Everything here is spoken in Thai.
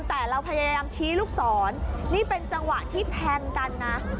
แต่เราพยายามชี้ลูกศรนี่เป็นจังหวะที่แทงกันนะ